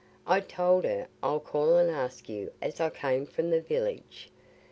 I told her I'd call and ask you as I came from the village.